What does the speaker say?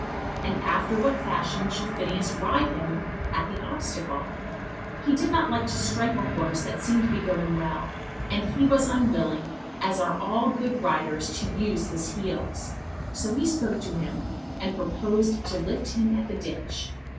And after what fashion should Phineas ride him at the obstacle? He did not like to strike a horse that seemed to be going well, and was unwilling, as are all good riders, to use his heels. So he spoke to him, and proposed to lift him at the ditch.